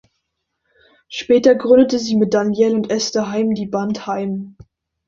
Später gründete sie mit Danielle und Este Haim die Band Haim.